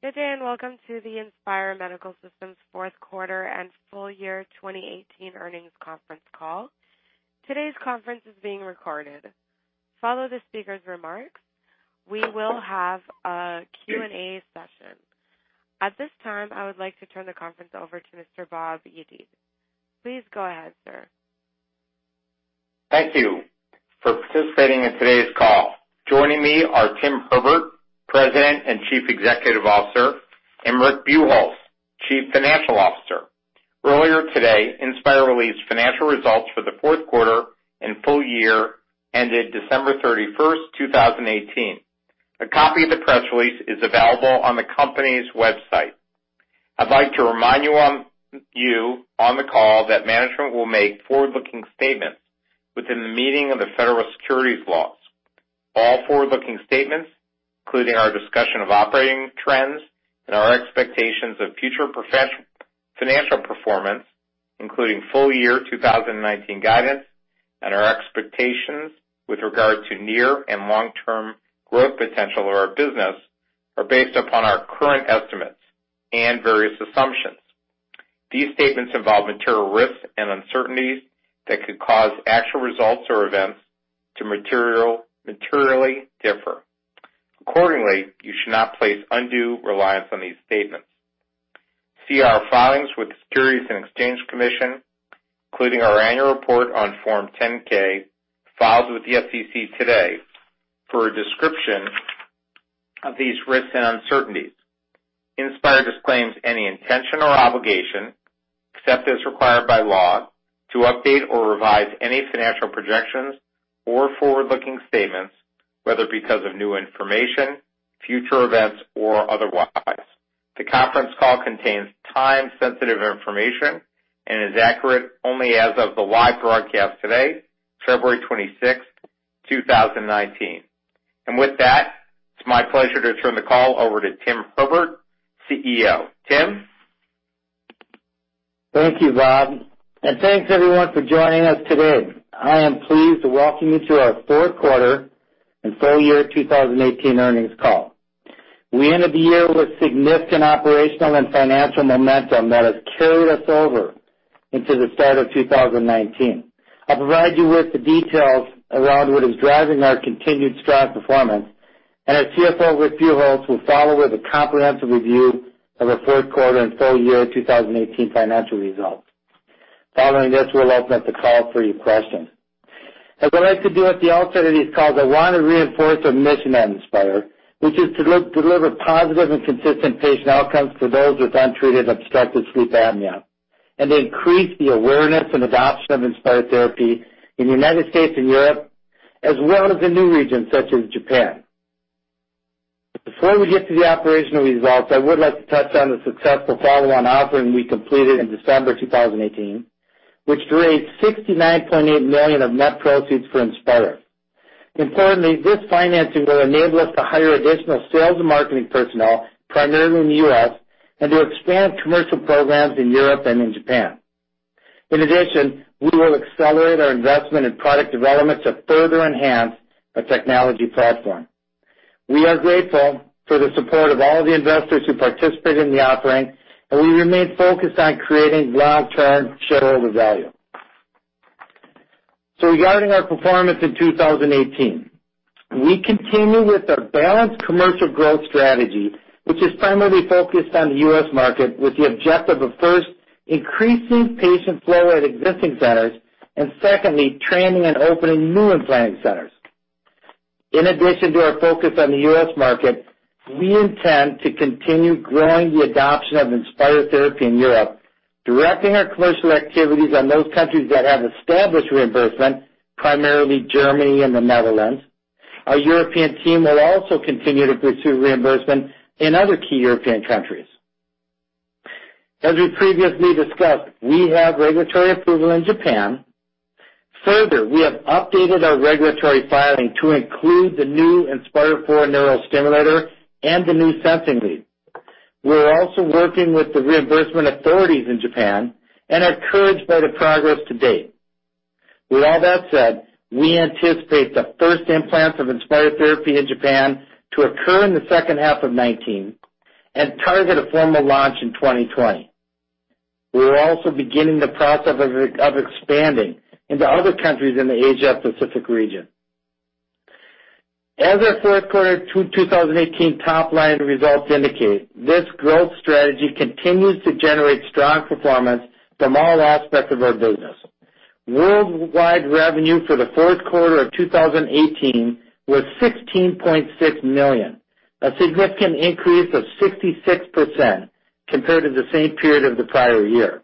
Good day. Welcome to the Inspire Medical Systems fourth quarter and full year 2018 earnings conference call. Today's conference is being recorded. Following the speaker's remarks, we will have a Q&A session. At this time, I would like to turn the conference over to Mr. Bob Yedid. Please go ahead, sir. Thank you for participating in today's call. Joining me are Tim Herbert, President and Chief Executive Officer, and Rick Buchholz, Chief Financial Officer. Earlier today, Inspire released financial results for the fourth quarter and full year ended December 31, 2018. A copy of the press release is available on the company's website. I'd like to remind you on the call that management will make forward-looking statements within the meaning of the federal securities laws. All forward-looking statements, including our discussion of operating trends and our expectations of future financial performance, including full year 2019 guidance, and our expectations with regard to near and long-term growth potential of our business, are based upon our current estimates and various assumptions. These statements involve material risks and uncertainties that could cause actual results or events to materially differ. Accordingly, you should not place undue reliance on these statements. See our filings with the Securities and Exchange Commission, including our annual report on Form 10-K, filed with the SEC today for a description of these risks and uncertainties. Inspire disclaims any intention or obligation, except as required by law, to update or revise any financial projections or forward-looking statements, whether because of new information, future events, or otherwise. The conference call contains time-sensitive information and is accurate only as of the live broadcast today, February 26, 2019. With that, it's my pleasure to turn the call over to Tim Herbert, CEO. Tim? Thank you, Bob. Thanks, everyone, for joining us today. I am pleased to welcome you to our fourth quarter and full year 2018 earnings call. We ended the year with significant operational and financial momentum that has carried us over into the start of 2019. I'll provide you with the details around what is driving our continued strong performance. Our CFO, Rick Buchholz, will follow with a comprehensive review of our fourth quarter and full year 2018 financial results. Following this, we'll open up the call for your questions. I like to do at the outset of these calls, I want to reinforce our mission at Inspire, which is to deliver positive and consistent patient outcomes for those with untreated obstructive sleep apnea and to increase the awareness and adoption of Inspire therapy in the United States and Europe, as well as in new regions such as Japan. Before we get to the operational results, I would like to touch on the successful follow-on offering we completed in December 2018, which raised $69.8 million of net proceeds for Inspire. Importantly, this financing will enable us to hire additional sales and marketing personnel, primarily in the U.S., and to expand commercial programs in Europe and in Japan. In addition, we will accelerate our investment in product development to further enhance our technology platform. We are grateful for the support of all the investors who participated in the offering, and we remain focused on creating long-term shareholder value. Regarding our performance in 2018, we continue with our balanced commercial growth strategy, which is primarily focused on the U.S. market with the objective of, first, increasing patient flow at existing centers and secondly, training and opening new implant centers. In addition to our focus on the U.S. market, we intend to continue growing the adoption of Inspire therapy in Europe, directing our commercial activities on those countries that have established reimbursement, primarily Germany and the Netherlands. Our European team will also continue to pursue reimbursement in other key European countries. As we previously discussed, we have regulatory approval in Japan. Further, we have updated our regulatory filing to include the new Inspire IV neurostimulator and the new sensing lead. We are also working with the reimbursement authorities in Japan and are encouraged by the progress to date. With all that said, we anticipate the first implants of Inspire therapy in Japan to occur in the second half of 2019 and target a formal launch in 2020. We are also beginning the process of expanding into other countries in the Asia Pacific region. As our fourth quarter 2018 top-line results indicate, this growth strategy continues to generate strong performance from all aspects of our business. Worldwide revenue for the fourth quarter of 2018 was $16.6 million, a significant increase of 66% compared to the same period of the prior year.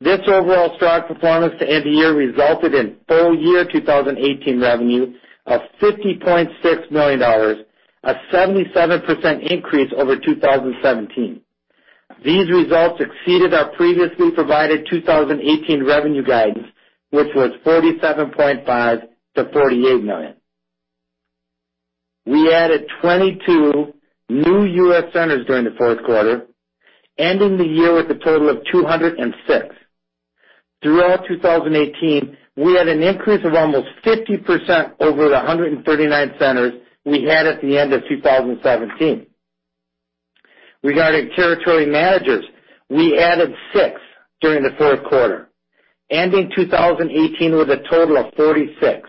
This overall strong performance to end the year resulted in full year 2018 revenue of $50.6 million, a 77% increase over 2017. These results exceeded our previously provided 2018 revenue guidance, which was $47.5 million-$48 million. We added 22 new U.S. centers during the fourth quarter, ending the year with a total of 206. Throughout 2018, we had an increase of almost 50% over the 139 centers we had at the end of 2017. Regarding territory managers, we added six during the fourth quarter, ending 2018 with a total of 46.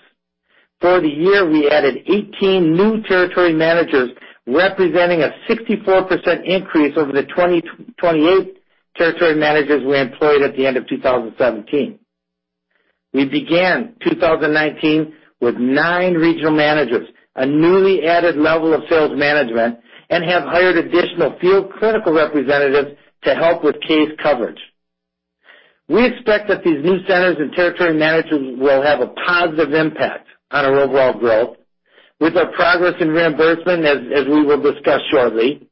For the year, we added 18 new territory managers, representing a 64% increase over the 28 territory managers we employed at the end of 2017. We began 2019 with nine regional managers, a newly added level of sales management, and have hired additional field critical representatives to help with case coverage. We expect that these new centers and territory managers will have a positive impact on our overall growth. With our progress in reimbursement, as we will discuss shortly,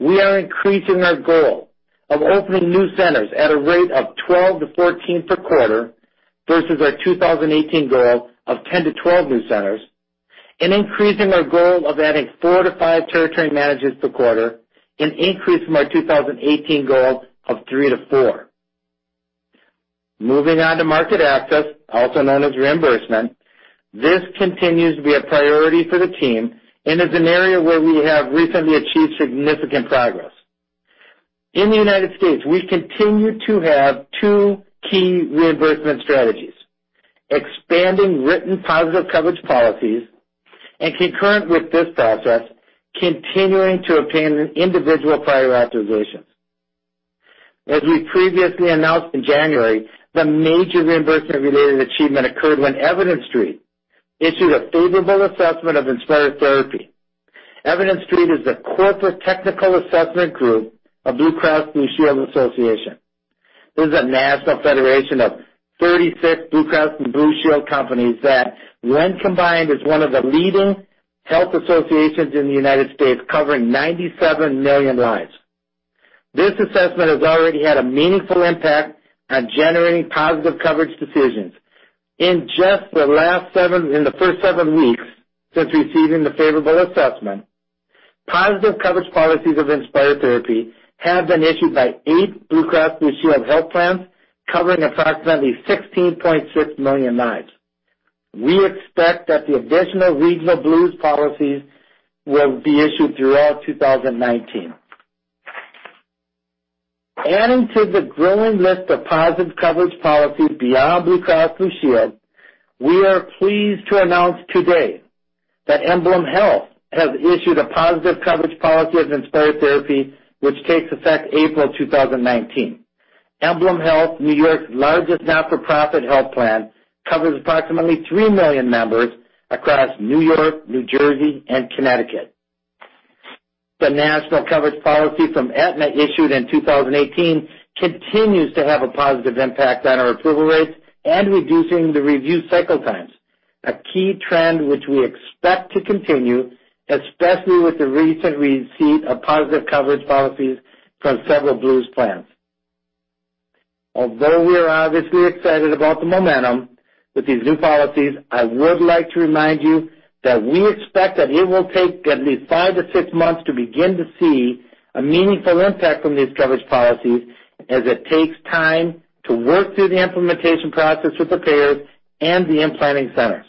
we are increasing our goal of opening new centers at a rate of 12 to 14 per quarter versus our 2018 goal of 10 to 12 new centers, increasing our goal of adding four to five territory managers per quarter, an increase from our 2018 goal of three to four. Moving on to market access, also known as reimbursement. This continues to be a priority for the team and is an area where we have recently achieved significant progress. In the U.S., we continue to have two key reimbursement strategies: expanding written positive coverage policies, and concurrent with this process, continuing to obtain individual prior authorizations. As we previously announced in January, the major reimbursement-related achievement occurred when Evidence Street issued a favorable assessment of Inspire therapy. Evidence Street is the corporate technical assessment group of Blue Cross Blue Shield Association. This is a national federation of 36 Blue Cross and Blue Shield companies that, when combined, is one of the leading health associations in the U.S., covering 97 million lives. This assessment has already had a meaningful impact on generating positive coverage decisions. In the first seven weeks since receiving the favorable assessment, positive coverage policies of Inspire therapy have been issued by eight Blue Cross Blue Shield health plans, covering approximately 16.6 million lives. We expect that the additional regional Blues policies will be issued throughout 2019. Adding to the growing list of positive coverage policies beyond Blue Cross Blue Shield, we are pleased to announce today that EmblemHealth has issued a positive coverage policy of Inspire therapy, which takes effect April 2019. EmblemHealth, New York's largest not-for-profit health plan, covers approximately three million members across New York, New Jersey, and Connecticut. The national coverage policy from Aetna issued in 2018 continues to have a positive impact on our approval rates and reducing the review cycle times, a key trend which we expect to continue, especially with the recent receipt of positive coverage policies from several Blues plans. Although we are obviously excited about the momentum with these new policies, I would like to remind you that we expect that it will take at least five to six months to begin to see a meaningful impact from these coverage policies, as it takes time to work through the implementation process with the payers and the implanting centers.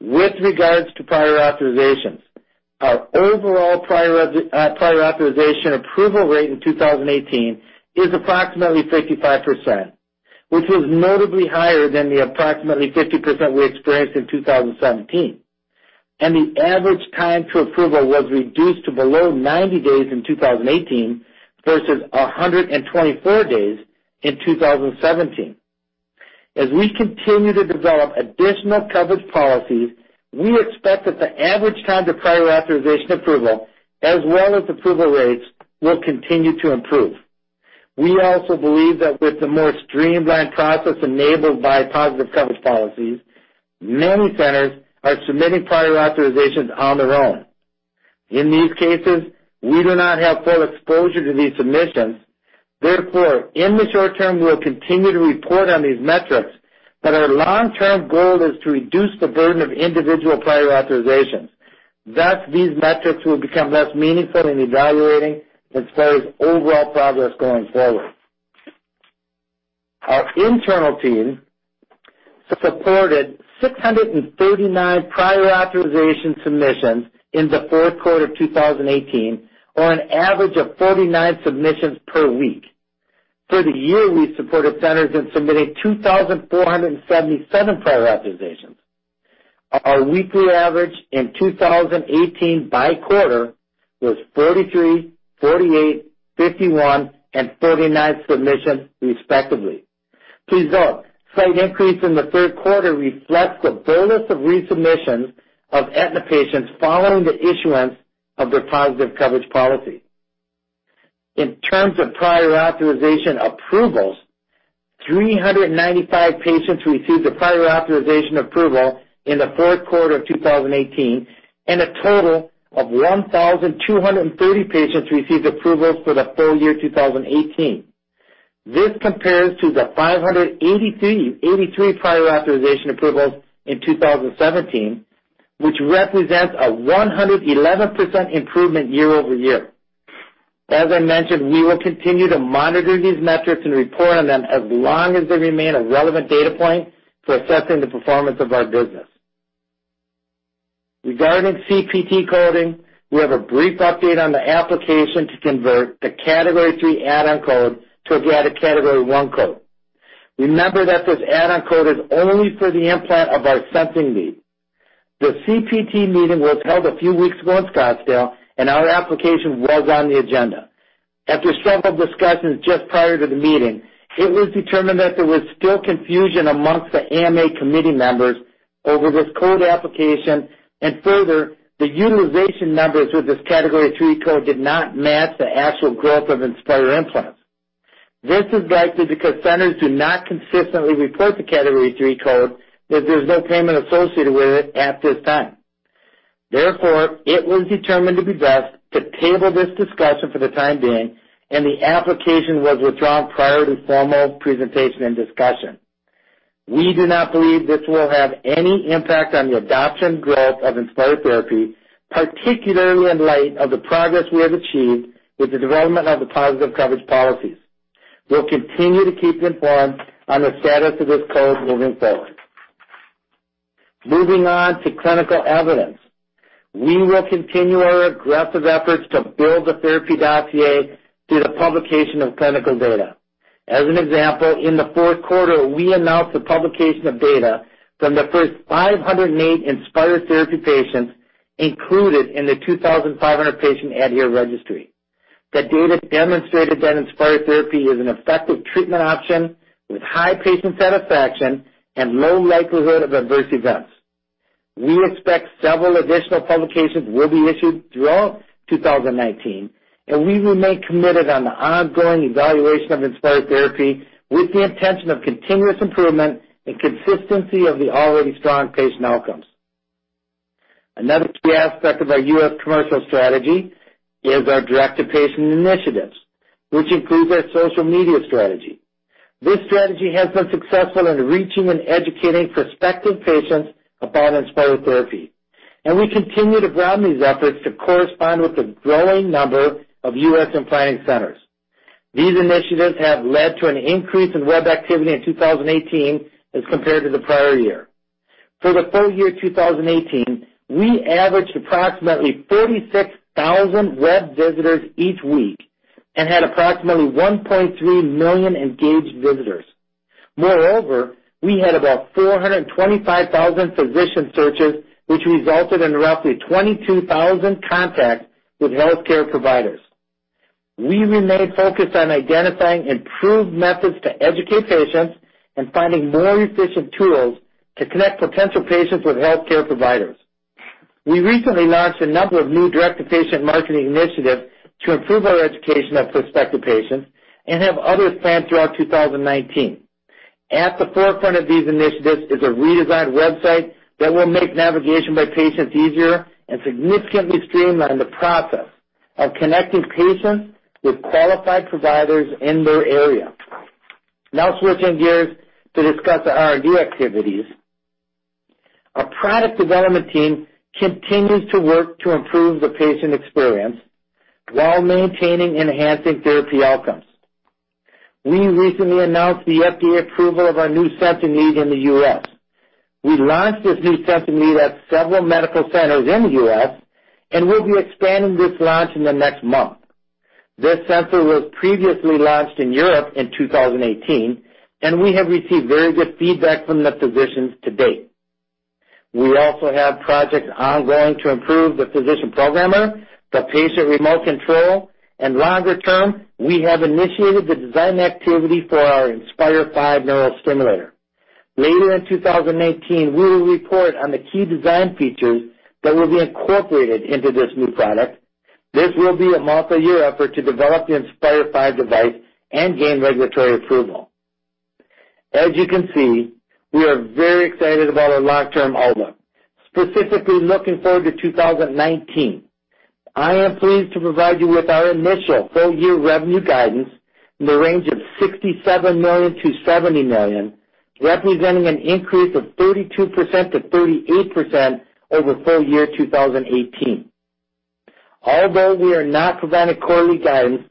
With regards to prior authorizations, our overall prior authorization approval rate in 2018 is approximately 55%, which is notably higher than the approximately 50% we experienced in 2017, the average time to approval was reduced to below 90 days in 2018 versus 124 days in 2017. As we continue to develop additional coverage policies, we expect that the average time to prior authorization approval, as well as approval rates, will continue to improve. We also believe that with the more streamlined process enabled by positive coverage policies, many centers are submitting prior authorizations on their own. In these cases, we do not have full exposure to these submissions. Therefore, in the short term, we'll continue to report on these metrics, but our long-term goal is to reduce the burden of individual prior authorizations. Thus, these metrics will become less meaningful in evaluating Inspire's overall progress going forward. Our internal team supported 639 prior authorization submissions in the fourth quarter of 2018, or an average of 49 submissions per week. For the year, we supported centers in submitting 2,477 prior authorizations. Our weekly average in 2018 by quarter was 43, 48, 51, and 49 submissions respectively. Please note, slight increase in the third quarter reflects the bolus of resubmissions of Aetna patients following the issuance of their positive coverage policy. In terms of prior authorization approvals, 395 patients received a prior authorization approval in the fourth quarter of 2018, and a total of 1,230 patients received approvals for the full year 2018. This compares to the 583 prior authorization approvals in 2017, which represents a 111% improvement year-over-year. As I mentioned, we will continue to monitor these metrics and report on them as long as they remain a relevant data point for assessing the performance of our business. Regarding CPT coding, we have a brief update on the application to convert the Category 3 add-on code to a Category 1 code. Remember that this add-on code is only for the implant of our sensing lead. The CPT meeting was held a few weeks ago in Scottsdale, and our application was on the agenda. After several discussions just prior to the meeting, it was determined that there was still confusion amongst the AMA committee members over this code application, and further, the utilization numbers with this Category 3 code did not match the actual growth of Inspire implants. This is likely because centers do not consistently report the Category 3 code if there's no payment associated with it at this time. Therefore, it was determined to be best to table this discussion for the time being, and the application was withdrawn prior to formal presentation and discussion. We do not believe this will have any impact on the adoption growth of Inspire therapy, particularly in light of the progress we have achieved with the development of the positive coverage policies. We'll continue to keep you informed on the status of this code moving forward. Moving on to clinical evidence. We will continue our aggressive efforts to build the therapy dossier through the publication of clinical data. As an example, in the fourth quarter, we announced the publication of data from the first 508 Inspire therapy patients included in the 2,500-patient ADHERE registry. The data demonstrated that Inspire therapy is an effective treatment option with high patient satisfaction and low likelihood of adverse events. We expect several additional publications will be issued throughout 2019, and we remain committed on the ongoing evaluation of Inspire therapy with the intention of continuous improvement and consistency of the already strong patient outcomes. Another key aspect of our U.S. commercial strategy is our direct-to-patient initiatives, which include our social media strategy. This strategy has been successful in reaching and educating prospective patients about Inspire therapy, and we continue to broaden these efforts to correspond with the growing number of U.S. implanting centers. These initiatives have led to an increase in web activity in 2018 as compared to the prior year. For the full year 2018, we averaged approximately 36,000 web visitors each week and had approximately 1.3 million engaged visitors. Moreover, we had about 425,000 physician searches, which resulted in roughly 22,000 contacts with healthcare providers. We remain focused on identifying improved methods to educate patients and finding more efficient tools to connect potential patients with healthcare providers. We recently launched a number of new direct-to-patient marketing initiatives to improve our education of prospective patients and have others planned throughout 2019. At the forefront of these initiatives is a redesigned website that will make navigation by patients easier and significantly streamline the process of connecting patients with qualified providers in their area. Switching gears to discuss the R&D activities. Our product development team continues to work to improve the patient experience while maintaining enhancing therapy outcomes. We recently announced the FDA approval of our new sensing lead in the U.S. We launched this new sensing lead at several medical centers in the U.S. and will be expanding this launch in the next month. This sensor was previously launched in Europe in 2018, and we have received very good feedback from the physicians to date. We also have projects ongoing to improve the physician programmer, the patient remote control, and longer term, we have initiated the design activity for our Inspire V neurostimulator. Later in 2019, we will report on the key design features that will be incorporated into this new product. This will be a multi-year effort to develop the Inspire V device and gain regulatory approval. As you can see, we are very excited about our long-term outlook. Specifically looking forward to 2019. I am pleased to provide you with our initial full-year revenue guidance in the range of $67 million-$70 million, representing an increase of 32%-38% over full year 2018. Although we are not providing quarterly guidance,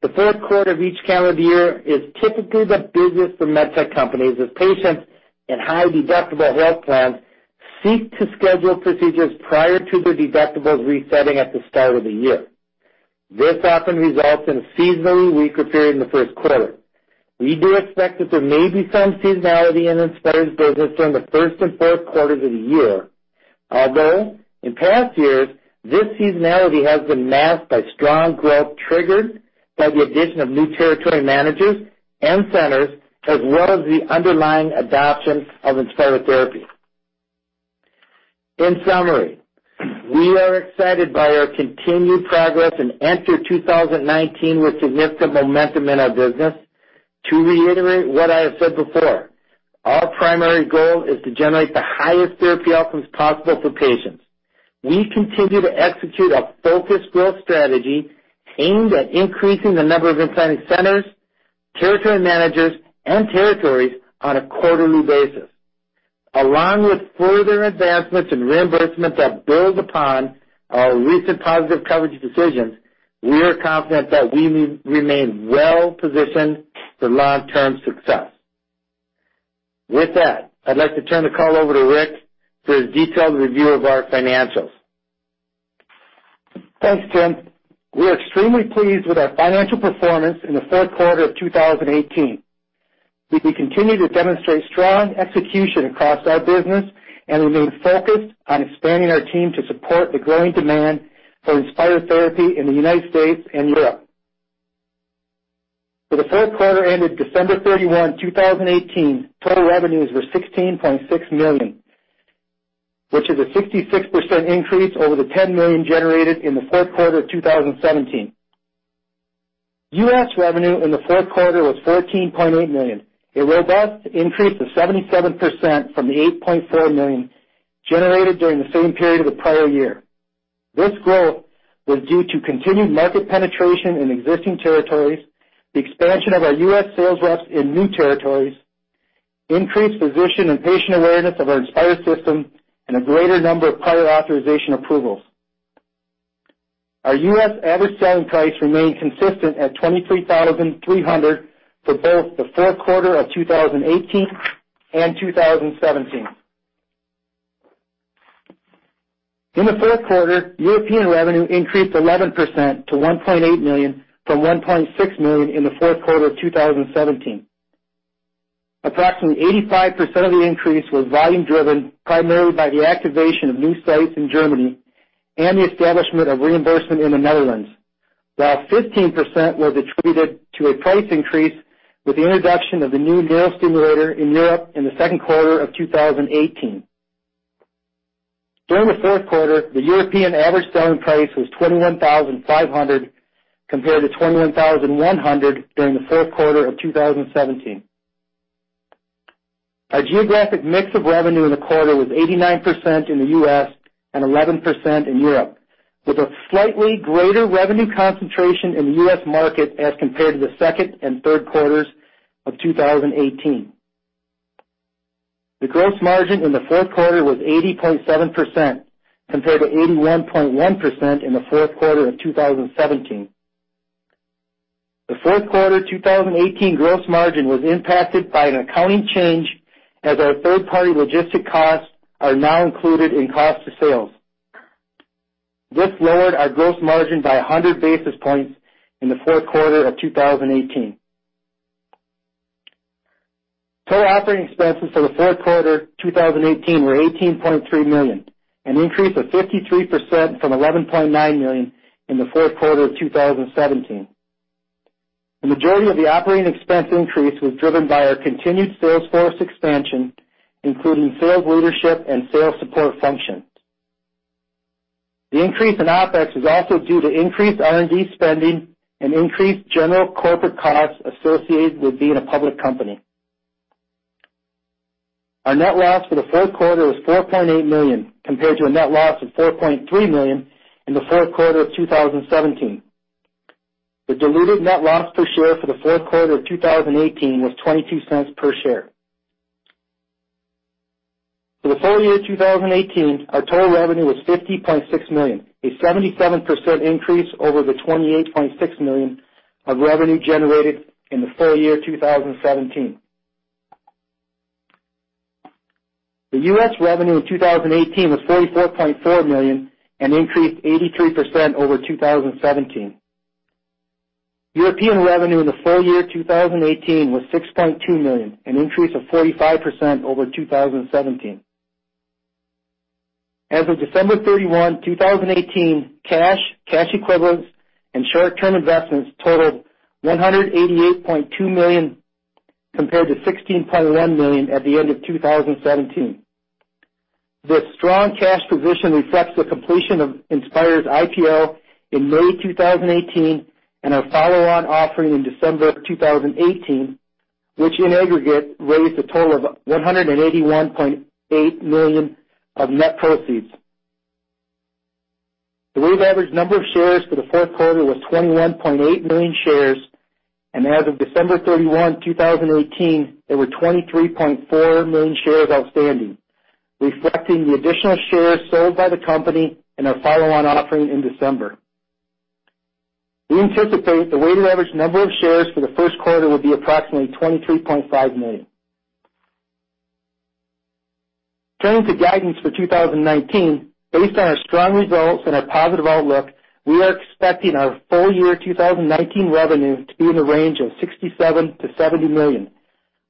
the fourth quarter of each calendar year is typically the busiest for medtech companies as patients in high-deductible health plans seek to schedule procedures prior to their deductibles resetting at the start of the year. This often results in a seasonally weaker period in the first quarter. We do expect that there may be some seasonality in Inspire's business during the first and fourth quarters of the year, although in past years, this seasonality has been masked by strong growth triggered by the addition of new territory managers and centers, as well as the underlying adoption of Inspire therapy. In summary, we are excited by our continued progress and enter 2019 with significant momentum in our business. To reiterate what I have said before, our primary goal is to generate the highest therapy outcomes possible for patients. We continue to execute a focused growth strategy aimed at increasing the number of implanted centers, territory managers and territories on a quarterly basis. Along with further advancements in reimbursement that build upon our recent positive coverage decisions, we are confident that we remain well-positioned for long-term success. With that, I'd like to turn the call over to Rick for his detailed review of our financials. Thanks, Tim. We are extremely pleased with our financial performance in the fourth quarter of 2018. We continue to demonstrate strong execution across our business and remain focused on expanding our team to support the growing demand for Inspire therapy in the United States and Europe. For the fourth quarter ended December 31, 2018, total revenues were $16.6 million, which is a 66% increase over the $10 million generated in the fourth quarter of 2017. U.S. revenue in the fourth quarter was $14.8 million, a robust increase of 77% from the $8.4 million generated during the same period of the prior year. This growth was due to continued market penetration in existing territories, the expansion of our U.S. sales reps in new territories, increased physician and patient awareness of our Inspire system, and a greater number of prior authorization approvals. Our U.S. average selling price remained consistent at $23,300 for both the fourth quarter of 2018 and 2017. In the fourth quarter, European revenue increased 11% to $1.8 million from $1.6 million in the fourth quarter of 2017. Approximately 85% of the increase was volume driven, primarily by the activation of new sites in Germany and the establishment of reimbursement in the Netherlands. While 15% was attributed to a price increase with the introduction of the new neurostimulator in Europe in the second quarter of 2018. During the fourth quarter, the European average selling price was $21,500 compared to $21,100 during the fourth quarter of 2017. Our geographic mix of revenue in the quarter was 89% in the U.S. and 11% in Europe, with a slightly greater revenue concentration in the U.S. market as compared to the second and third quarters of 2018. The gross margin in the fourth quarter was 80.7%, compared to 81.1% in the fourth quarter of 2017. The fourth quarter 2018 gross margin was impacted by an accounting change, as our third-party logistic costs are now included in cost of sales. This lowered our gross margin by 100 basis points in the fourth quarter of 2018. Total operating expenses for the fourth quarter 2018 were $18.3 million, an increase of 53% from $11.9 million in the fourth quarter of 2017. The majority of the operating expense increase was driven by our continued sales force expansion, including sales leadership and sales support functions. The increase in OpEx is also due to increased R&D spending and increased general corporate costs associated with being a public company. Our net loss for the fourth quarter was $4.8 million, compared to a net loss of $4.3 million in the fourth quarter of 2017. The diluted net loss per share for the fourth quarter of 2018 was $0.22 per share. For the full year 2018, our total revenue was $50.6 million, a 77% increase over the $28.6 million of revenue generated in the full year 2017. U.S. revenue in 2018 was $44.4 million and increased 83% over 2017. European revenue in the full year 2018 was $6.2 million, an increase of 45% over 2017. As of December 31, 2018, cash equivalents, and short-term investments totaled $188.2 million, compared to $16.1 million at the end of 2017. This strong cash position reflects the completion of Inspire's IPO in May 2018 and our follow-on offering in December of 2018, which in aggregate raised a total of $181.8 million of net proceeds. The weighted average number of shares for the fourth quarter was 21.8 million shares, and as of December 31, 2018, there were 23.4 million shares outstanding, reflecting the additional shares sold by the company in our follow-on offering in December. We anticipate the weighted average number of shares for the first quarter will be approximately 23.5 million. Turning to guidance for 2019. Based on our strong results and our positive outlook, we are expecting our full year 2019 revenue to be in the range of $67 million-$70 million,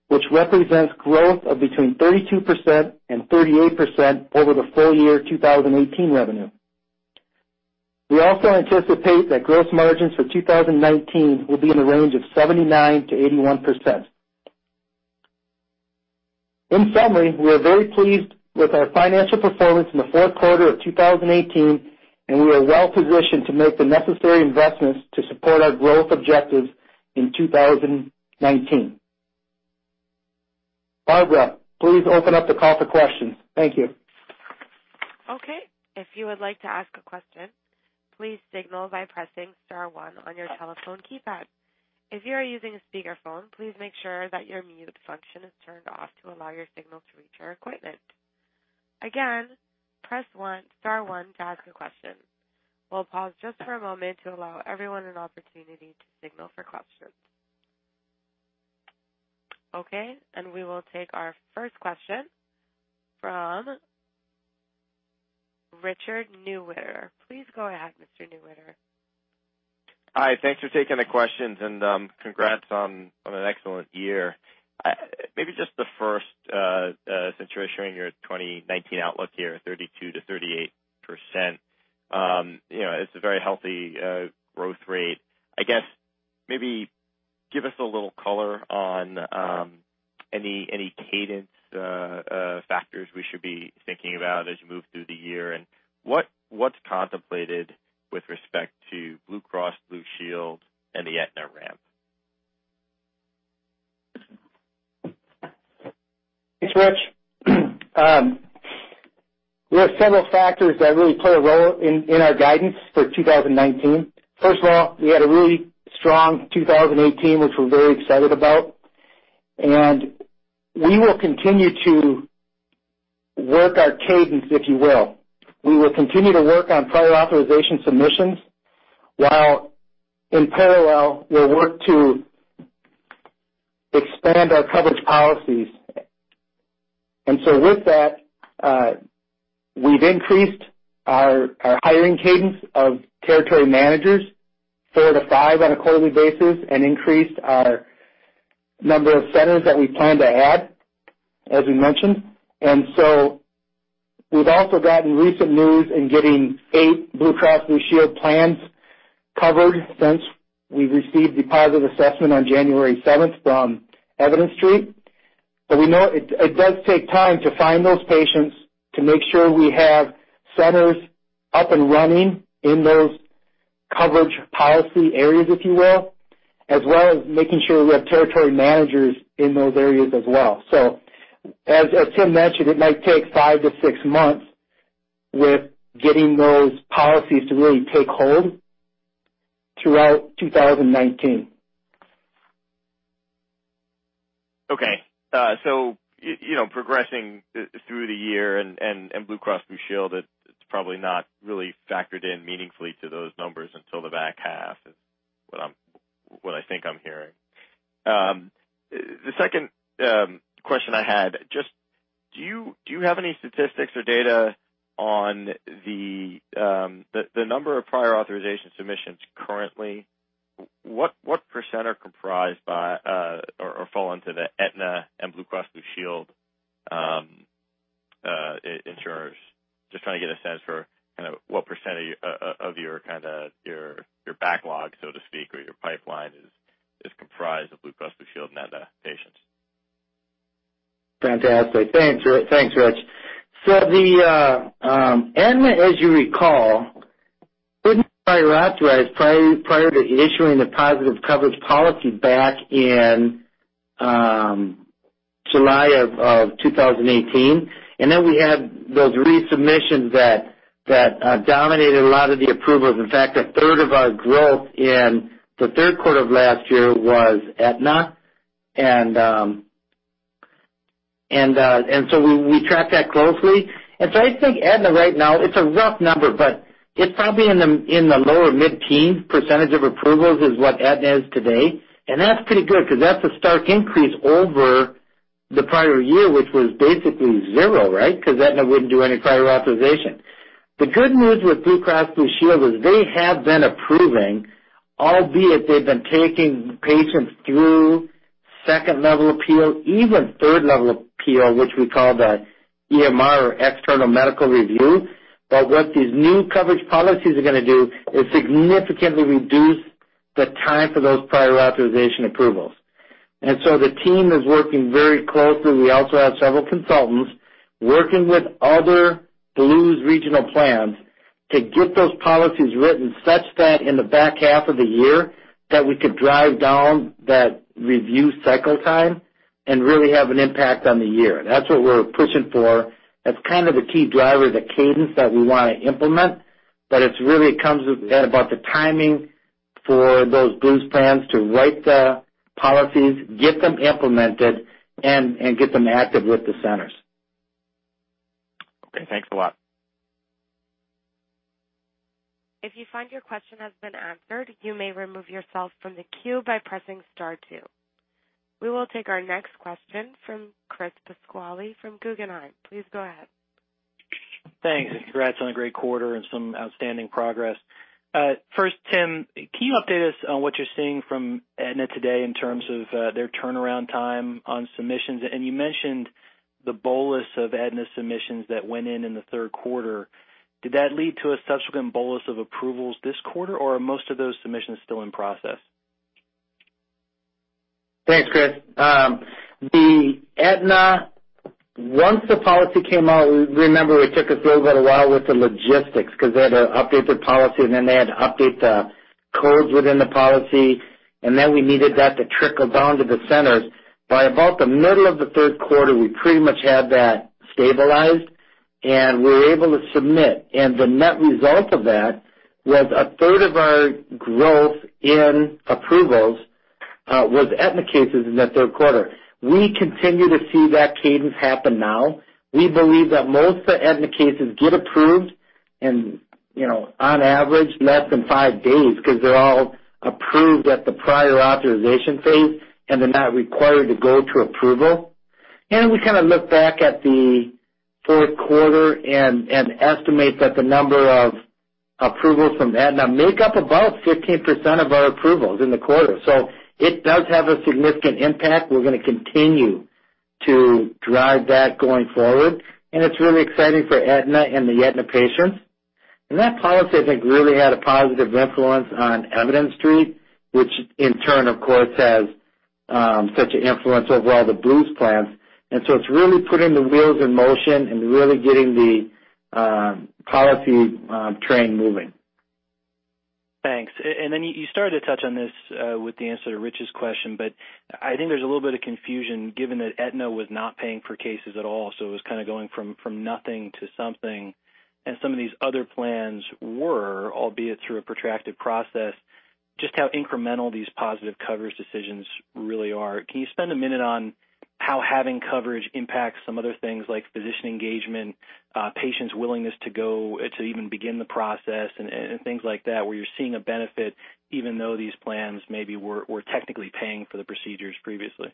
which represents growth of between 32% and 38% over the full year 2018 revenue. We also anticipate that gross margins for 2019 will be in the range of 79%-81%. In summary, we are very pleased with our financial performance in the fourth quarter of 2018, and we are well-positioned to make the necessary investments to support our growth objectives in 2019. Barbara, please open up the call for questions. Thank you. Okay. If you would like to ask a question, please signal by pressing star one on your telephone keypad. If you are using a speakerphone, please make sure that your mute function is turned off to allow your signal to reach our equipment. Again, press star one to ask a question. We will pause just for a moment to allow everyone an opportunity to signal for questions. Okay. We will take our first question from Richard Newitter. Please go ahead, Mr. Newitter. Hi. Thanks for taking the questions and congrats on an excellent year. Maybe just the first, since you're sharing your 2019 outlook here, 32%-38%. It's a very healthy growth rate. I guess, maybe give us a little color on any cadence factors we should be thinking about as you move through the year, and what's contemplated with respect to Blue Cross Blue Shield and the Aetna ramp? Thanks, Rich. We have several factors that really play a role in our guidance for 2019. First of all, we had a really strong 2018, which we're very excited about. We will continue to work our cadence, if you will. We will continue to work on prior authorization submissions, while in parallel, we'll work to expand our coverage policies. With that, we've increased our hiring cadence of territory managers, four to five on a quarterly basis, and increased our number of centers that we plan to add, as we mentioned. We've also gotten recent news in getting eight Blue Cross Blue Shield plans covered since we received the positive assessment on January 7th from Evidence Street. We know it does take time to find those patients to make sure we have centers up and running in those coverage policy areas, if you will, as well as making sure we have territory managers in those areas as well. As Tim mentioned, it might take five to six months with getting those policies to really take hold throughout 2019. Okay. Progressing through the year and Blue Cross Blue Shield, it's probably not really factored in meaningfully to those numbers until the back half, is what I think I'm hearing. The second question I had, do you have any statistics or data on the number of prior authorization submissions currently? What % are comprised by or fall into the Aetna and Blue Cross Blue Shield insurers? Just trying to get a sense for what % of your backlog, so to speak, or your pipeline is comprised of Blue Cross Blue Shield and Aetna patients. Fantastic. Thanks, Rich. Aetna, as you recall, prior to issuing the positive coverage policy back in July of 2018. Then we had those resubmissions that dominated a lot of the approvals. In fact, a third of our growth in the third quarter of last year was Aetna. We track that closely. I think Aetna right now, it's a rough number, but it's probably in the lower mid-teens % of approvals is what Aetna is today. That's pretty good because that's a stark increase over the prior year, which was basically zero, right? Because Aetna wouldn't do any prior authorization. The good news with Blue Cross Blue Shield is they have been approving, albeit they've been taking patients through 2nd-level appeal, even 3rd-level appeal, which we call the EMR or external medical review. What these new coverage policies are going to do is significantly reduce the time for those prior authorization approvals. The team is working very closely. We also have several consultants working with other Blues regional plans to get those policies written such that in the back half of the year, that we could drive down that review cycle time and really have an impact on the year. That's what we're pushing for. That's kind of the key driver, the cadence that we want to implement. It really comes about the timing for those Blues plans to write the policies, get them implemented, and get them active with the centers. Okay, thanks a lot. If you find your question has been answered, you may remove yourself from the queue by pressing star two. We will take our next question from Chris Pasquale from Guggenheim. Please go ahead. Thanks. Congrats on a great quarter and some outstanding progress. First Tim, can you update us on what you're seeing from Aetna today in terms of their turnaround time on submissions? You mentioned the bolus of Aetna submissions that went in the third quarter. Did that lead to a subsequent bolus of approvals this quarter, or are most of those submissions still in process? Thanks, Chris. The Aetna. Once the policy came out, remember it took us a little while with the logistics because they had to update their policy. Then they had to update the codes within the policy. Then we needed that to trickle down to the centers. By about the middle of the third quarter, we pretty much had that stabilized, and we were able to submit. The net result of that was a third of our growth in approvals was Aetna cases in that third quarter. We continue to see that cadence happen now. We believe that most of the Aetna cases get approved in, on average, less than five days because they're all approved at the prior authorization phase. They're not required to go to approval. We kind of look back at the fourth quarter and estimate that the number of approvals from Aetna make up about 15% of our approvals in the quarter. It does have a significant impact. We're going to continue to drive that going forward, and it's really exciting for Aetna and the Aetna patients. That policy, I think, really had a positive influence on Evidence Street, which in turn, of course, has such an influence over all the Blues plans. It's really putting the wheels in motion and really getting the policy train moving. Thanks. You started to touch on this with the answer to Rick's question, but I think there's a little bit of confusion given that Aetna was not paying for cases at all, it was kind of going from nothing to something, some of these other plans were, albeit through a protracted process, just how incremental these positive coverage decisions really are. Can you spend a minute on how having coverage impacts some other things like physician engagement, patients' willingness to go to even begin the process and things like that where you're seeing a benefit, even though these plans maybe were technically paying for the procedures previously?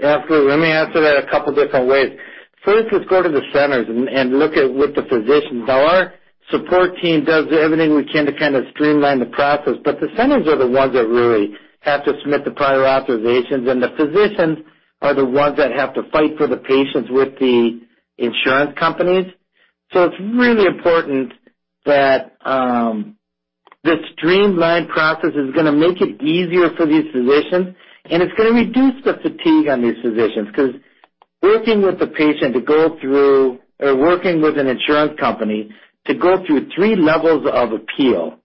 Yeah, absolutely. Let me answer that a couple different ways. First, let's go to the centers and look at with the physicians. Now, our support team does everything we can to kind of streamline the process, the centers are the ones that really have to submit the prior authorizations, the physicians are the ones that have to fight for the patients with the insurance companies. It's really important that this streamlined process is going to make it easier for these physicians, it's going to reduce the fatigue on these physicians. Because working with the patient to go through or working with an insurance company to go through 3 levels of appeal,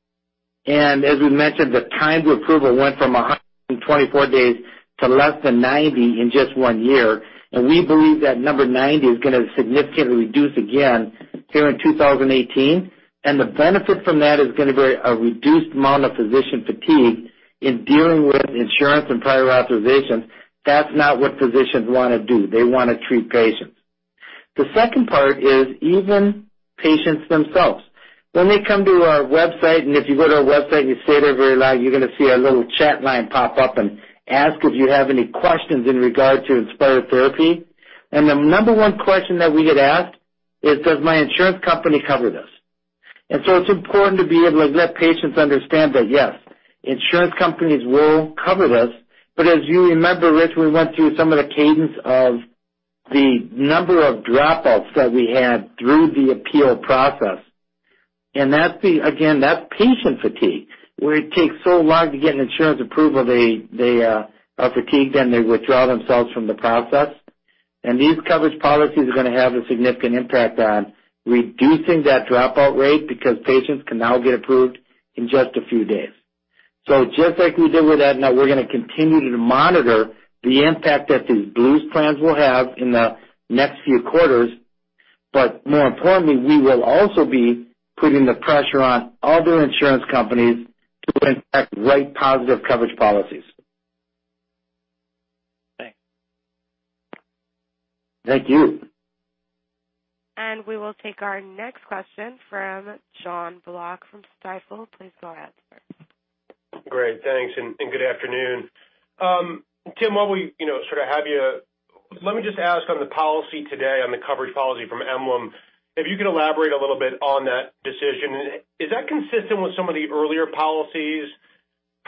as we mentioned, the time to approval went from 124 days to less than 90 in just one year. We believe that number 90 is going to significantly reduce again here in 2018. The benefit from that is going to be a reduced amount of physician fatigue in dealing with insurance and prior authorization. That's not what physicians want to do. They want to treat patients. The second part is even patients themselves. When they come to our website, if you go to our website and you stay there very long, you're going to see a little chat line pop up and ask if you have any questions in regard to Inspire therapy. The number one question that we get asked is, "Does my insurance company cover this?" It's important to be able to let patients understand that, yes, insurance companies will cover this. As you remember, Rick, we went through some of the cadence of the number of dropouts that we had through the appeal process. Again, that's patient fatigue, where it takes so long to get an insurance approval, they are fatigued, and they withdraw themselves from the process. These coverage policies are going to have a significant impact on reducing that dropout rate because patients can now get approved in just a few days. Just like we did with Aetna, we're going to continue to monitor the impact that these Blues plans will have in the next few quarters. More importantly, we will also be putting the pressure on other insurance companies to enact right positive coverage policies. Thanks. Thank you. We will take our next question from Jonathan Block from Stifel. Please go ahead, sir. Great. Thanks, and good afternoon. Tim, while we sort of have you, let me just ask on the policy today, on the coverage policy from Emblem, if you could elaborate a little bit on that decision. Is that consistent with some of the earlier policies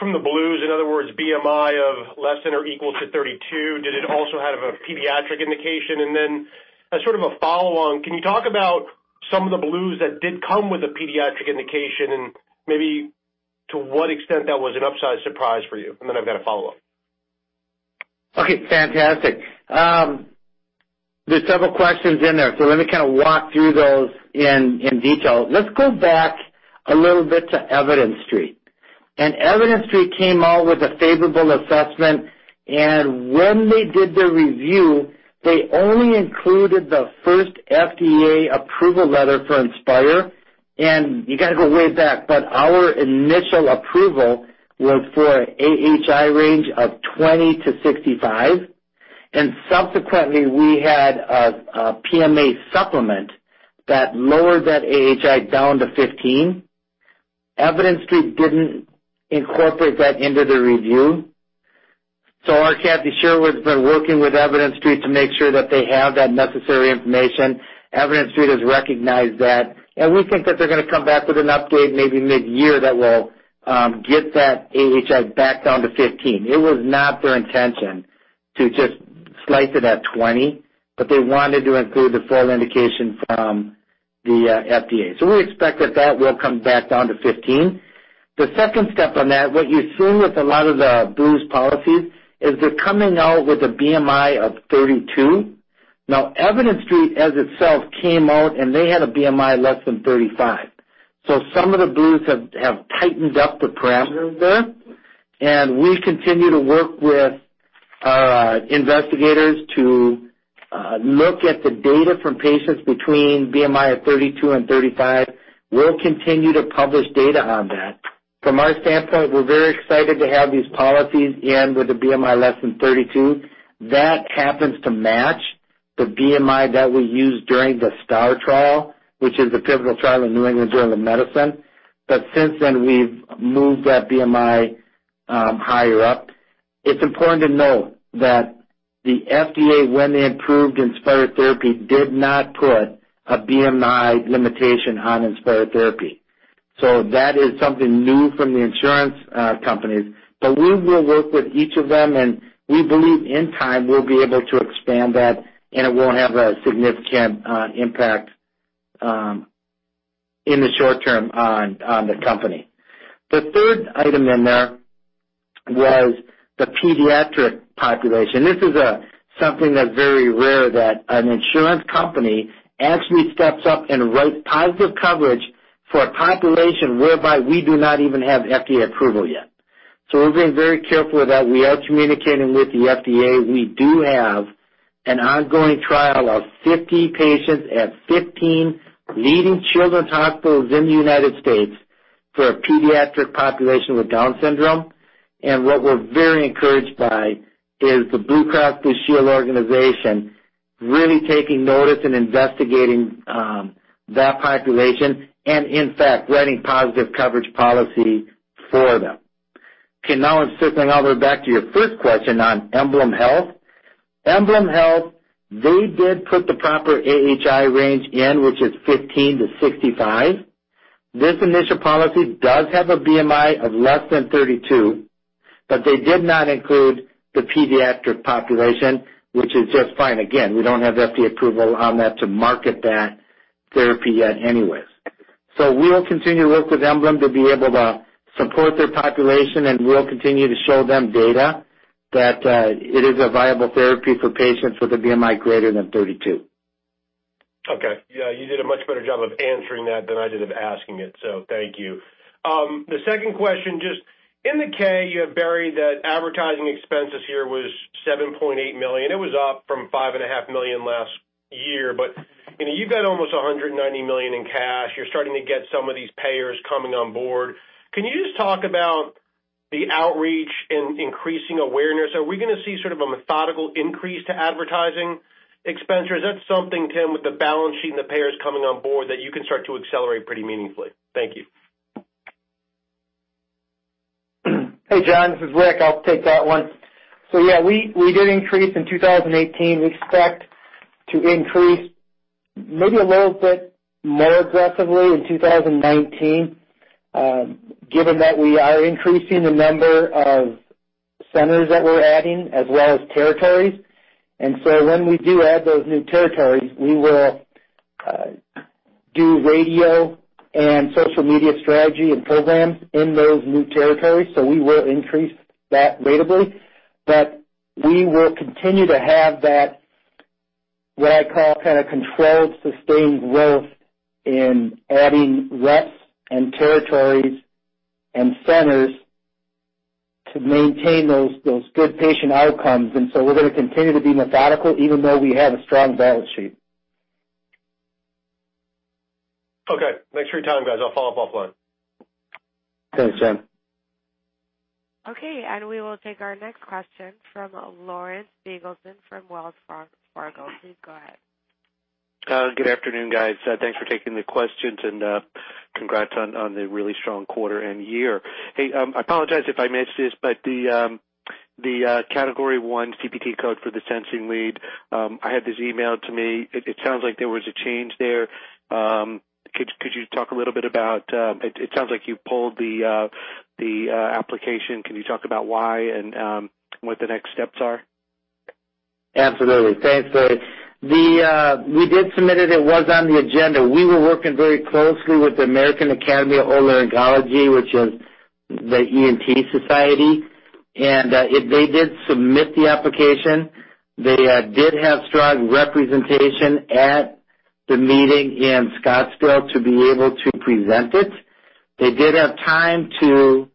from the Blues? In other words, BMI of less than or equal to 32. Did it also have a pediatric indication? Then as sort of a follow-on, can you talk about some of the Blues that did come with a pediatric indication and maybe to what extent that was an upside surprise for you? Then I've got a follow-up. Okay, fantastic. There's several questions in there, so let me kind of walk through those in detail. Let's go back a little bit to Evidence Street. Evidence Street came out with a favorable assessment, and when they did their review, they only included the first FDA approval letter for Inspire. You got to go way back, but our initial approval was for AHI range of 20 to 65, and subsequently we had a PMA supplement that lowered that AHI down to 15. Evidence Street didn't incorporate that into the review. Our Kathy Sherwood's been working with Evidence Street to make sure that they have that necessary information. Evidence Street has recognized that, and we think that they're going to come back with an update maybe mid-year that will get that AHI back down to 15. It was not their intention to just slice it at 20, but they wanted to include the full indication from the FDA. We expect that that will come back down to 15. The second step on that, what you're seeing with a lot of the blues policies, is they're coming out with a BMI of 32. Evidence Street, as itself, came out and they had a BMI less than 35. Some of the blues have tightened up the parameters there, and we continue to work with our investigators to look at the data from patients between BMI of 32 and 35. We'll continue to publish data on that. From our standpoint, we're very excited to have these policies in with the BMI less than 32. That happens to match the BMI that we used during the STAR trial, which is the pivotal trial in New England Journal of Medicine. Since then, we've moved that BMI higher up. It's important to note that the FDA, when they approved Inspire therapy, did not put a BMI limitation on Inspire therapy. That is something new from the insurance companies. We will work with each of them, and we believe in time, we'll be able to expand that, and it won't have a significant impact in the short term on the company. The third item in there was the pediatric population. This is something that's very rare, that an insurance company actually steps up and writes positive coverage for a population whereby we do not even have FDA approval yet. We're being very careful with that. We are communicating with the FDA. We do have an ongoing trial of 50 patients at 15 leading children's hospitals in the U.S. for a pediatric population with Down syndrome. What we're very encouraged by is the Blue Cross Blue Shield Association really taking notice and investigating that population and, in fact, writing positive coverage policy for them. Okay, now I'm circling all the way back to your first question on EmblemHealth. EmblemHealth, they did put the proper AHI range in, which is 15 to 65. This initial policy does have a BMI of less than 32, but they did not include the pediatric population, which is just fine. Again, we don't have FDA approval on that to market that therapy yet anyways. We will continue to work with EmblemHealth to be able to support their population, and we'll continue to show them data that it is a viable therapy for patients with a BMI greater than 32. Okay. Yeah, you did a much better job of answering that than I did of asking it. Thank you. The second question, just in the K, you have buried that advertising expenses here was $7.8 million. It was up from $5.5 million last year. You've got almost $190 million in cash. You're starting to get some of these payers coming on board. Can you just talk about the outreach in increasing awareness? Are we going to see sort of a methodical increase to advertising expenditure? Is that something, Tim, with the balance sheet and the payers coming on board, that you can start to accelerate pretty meaningfully? Thank you. Hey, John, this is Rick. I'll take that one. Yeah, we did increase in 2018. We expect to increase maybe a little bit more aggressively in 2019, given that we are increasing the number of centers that we're adding, as well as territories. When we do add those new territories, we will do radio and social media strategy and programs in those new territories. We will increase that ratably. We will continue to have that, what I call kind of controlled, sustained growth in adding reps and territories and centers to maintain those good patient outcomes. We're going to continue to be methodical, even though we have a strong balance sheet. Okay. Thanks for your time, guys. I'll follow up offline. Thanks, John. Okay, we will take our next question from Larry Biegelsen from Wells Fargo. Please go ahead. Good afternoon, guys. Thanks for taking the questions and congrats on the really strong quarter and year. Hey, I apologize if I missed this, but the Category I CPT code for the sensing lead, I had this emailed to me. It sounds like there was a change there. Could you talk a little bit about It sounds like you pulled the application. Can you talk about why and what the next steps are? Absolutely. Thanks, Larry. We did submit it. It was on the agenda. We were working very closely with the American Academy of Otolaryngology, which is the ENT society. They did submit the application. They did have strong representation at the meeting in Scottsdale to be able to present it. They did have time to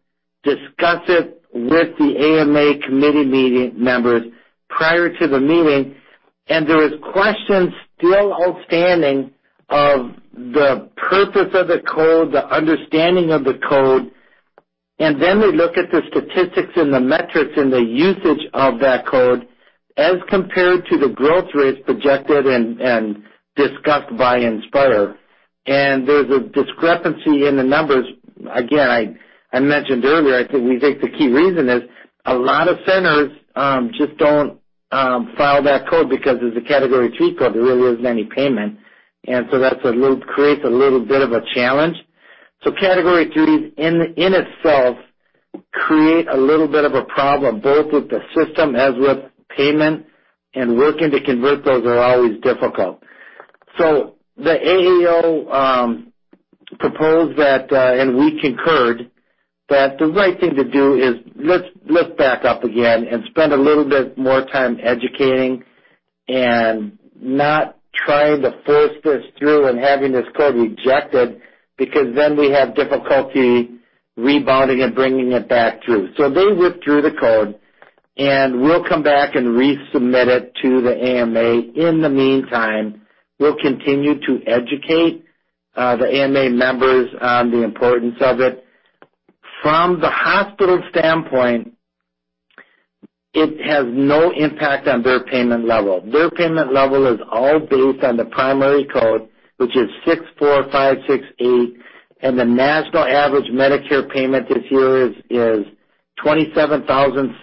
discuss it with the AMA committee members prior to the meeting, there was questions still outstanding of the purpose of the code, the understanding of the code, and then they look at the statistics and the metrics and the usage of that code as compared to the growth rates projected and discussed by Inspire. There's a discrepancy in the numbers. Again, I mentioned earlier, I think we think the key reason is a lot of centers just don't file that code because it's a Category III code. There really isn't any payment. That creates a little bit of a challenge. Category III in itself creates a little bit of a problem, both with the system as with payment, and working to convert those are always difficult. The AAO proposed that, and we concurred, that the right thing to do is let's back up again and spend a little bit more time educating and not trying to force this through and having this code rejected, because then we have difficulty rebounding and bringing it back through. They withdrew the code, and we'll come back and resubmit it to the AMA. In the meantime, we'll continue to educate the AMA members on the importance of it. From the hospital standpoint, it has no impact on their payment level. Their payment level is all based on the primary code, which is 64568, and the national average Medicare payment this year is $27,700.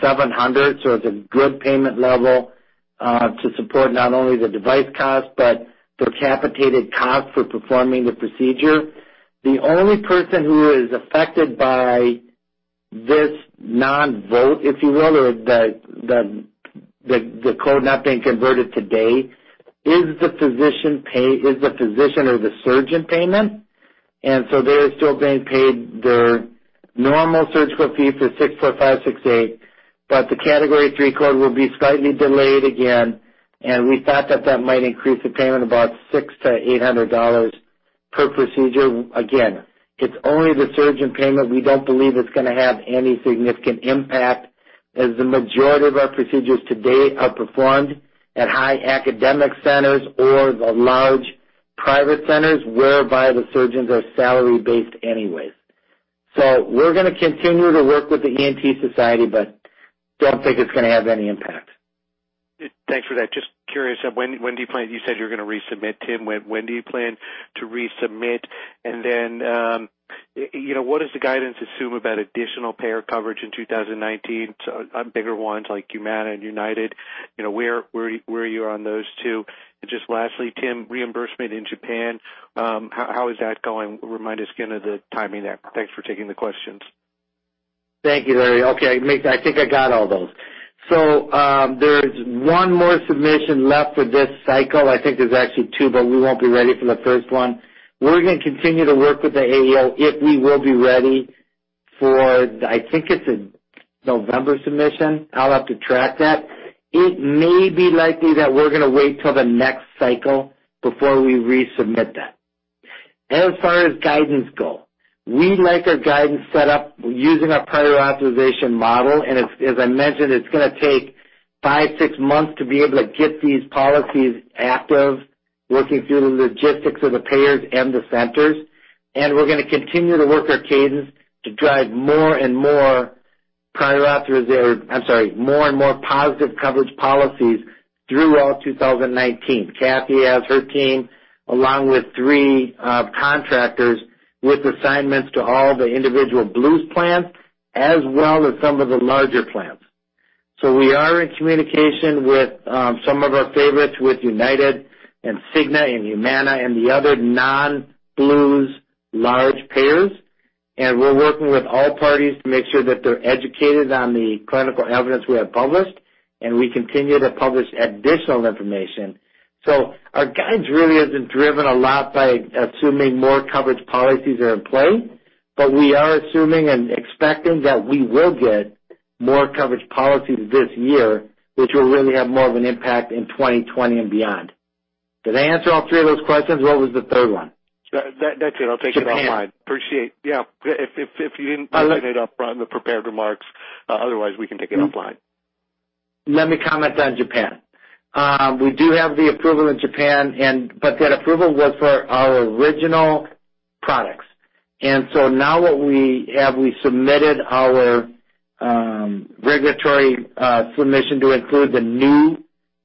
It's a good payment level to support not only the device cost but capitated cost for performing the procedure. The only person who is affected by this non-vote, if you will, or the code not being converted today, is the physician or the surgeon payment. They're still being paid their normal surgical fee for 64568, but the Category III code will be slightly delayed again, and we thought that that might increase the payment about $600-$800 per procedure. Again, it's only the surgeon payment. We don't believe it's going to have any significant impact, as the majority of our procedures to date are performed at high academic centers or the large private centers whereby the surgeons are salary based anyways. We're going to continue to work with the ENT Society, but don't think it's going to have any impact. Thanks for that. Just curious, when do you plan You said you're going to resubmit, Tim. When do you plan to resubmit? What does the guidance assume about additional payer coverage in 2019? Bigger ones like Humana and United, where are you on those two? Just lastly, Tim, reimbursement in Japan, how is that going? Remind us again of the timing there. Thanks for taking the questions. Thank you, Larry. Okay, I think I got all those. There's one more submission left for this cycle. I think there's actually two, but we won't be ready for the first one. We're going to continue to work with the AAO if we will be ready for, I think it's a November submission. I'll have to track that. It may be likely that we're going to wait till the next cycle before we resubmit that. As far as guidance go, we like our guidance set up using a prior authorization model. As I mentioned, it's going to take five, six months to be able to get these policies active, working through the logistics of the payers and the centers, and we're going to continue to work our cadence to drive more and more prior auth, or I'm sorry, more and more positive coverage policies through all 2019. Kathy has her team, along with three contractors with assignments to all the individual Blues plans, as well as some of the larger plans. We are in communication with some of our favorites, with United and Cigna and Humana and the other non-Blues large payers. We're working with all parties to make sure that they're educated on the clinical evidence we have published, and we continue to publish additional information. Our guidance really isn't driven a lot by assuming more coverage policies are in play, but we are assuming and expecting that we will get more coverage policies this year, which will really have more of an impact in 2020 and beyond. Did I answer all three of those questions? What was the third one? That's it. I'll take it offline. Japan. Appreciate. Yeah. If you didn't mind saying it upfront in the prepared remarks. We can take it offline. Let me comment on Japan. We do have the approval in Japan, but that approval was for our original products. Now what we have, we submitted our regulatory submission to include the new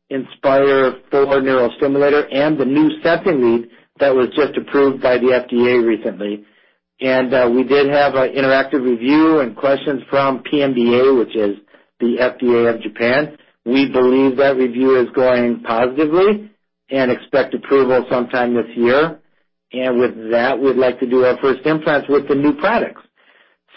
Inspire IV neurostimulator and the new sensing lead that was just approved by the FDA recently. We did have an interactive review and questions from PMDA, which is the FDA of Japan. We believe that review is going positively and expect approval sometime this year. With that, we'd like to do our first implants with the new products.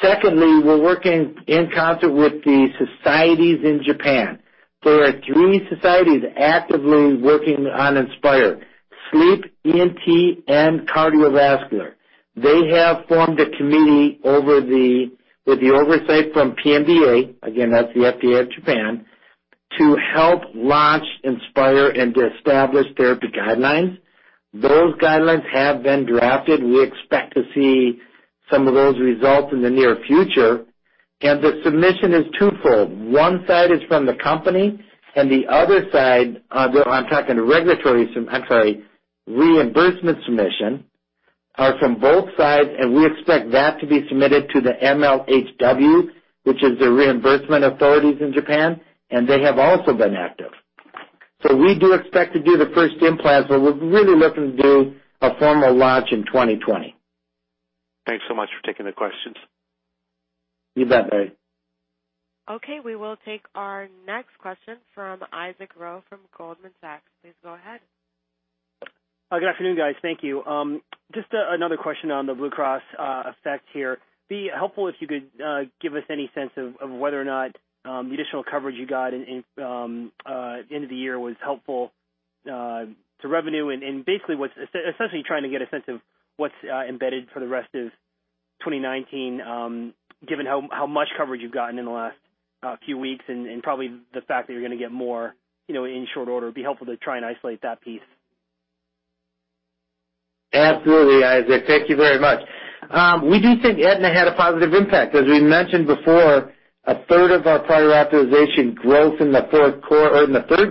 Secondly, we're working in concert with the societies in Japan. There are three societies actively working on Inspire: sleep, ENT, and cardiovascular. They have formed a committee with the oversight from PMDA, again, that's the FDA of Japan, to help launch Inspire and to establish therapy guidelines. Those guidelines have been drafted. We expect to see some of those results in the near future. The submission is twofold. One side is from the company and the other side, I'm talking regulatory, I'm sorry, reimbursement submission are from both sides and we expect that to be submitted to the MHLW, which is the reimbursement authorities in Japan, and they have also been active. We do expect to do the first implant, but we're really looking to do a formal launch in 2020. Thanks so much for taking the questions. You bet, Larry. Okay, we will take our next question from Isaac Ro from Goldman Sachs. Please go ahead. Good afternoon, guys. Thank you. Just another question on the Blue Cross effect here. It'd be helpful if you could give us any sense of whether or not the additional coverage you got at the end of the year was helpful to revenue. Essentially, trying to get a sense of what's embedded for the rest of 2019, given how much coverage you've gotten in the last few weeks and probably the fact that you're going to get more in short order. It'd be helpful to try and isolate that piece. Absolutely, Isaac. Thank you very much. We do think Aetna had a positive impact. As we mentioned before, a third of our prior authorization growth in the third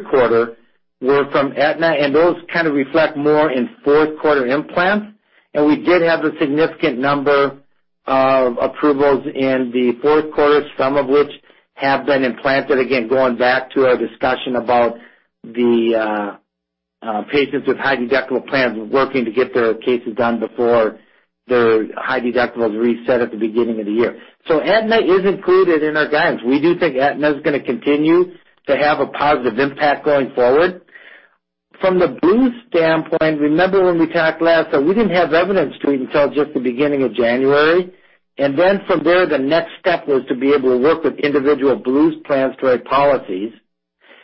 quarter were from Aetna, and those kind of reflect more in fourth quarter implants. We did have a significant number of approvals in the fourth quarter, some of which have been implanted. Again, going back to our discussion about the patients with high-deductible plans working to get their cases done before their high deductibles reset at the beginning of the year. Aetna is included in our guidance. We do think Aetna is going to continue to have a positive impact going forward. From the Blue standpoint, remember when we talked last time, we didn't have Evidence Street until just the beginning of January. Then from there, the next step was to be able to work with individual Blue's plans to write policies.